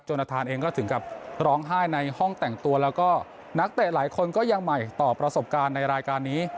ทานเองก็ถึงกับร้องไห้ในห้องแต่งตัวแล้วก็นักเตะหลายคนก็ยังใหม่ต่อประสบการณ์ในรายการนี้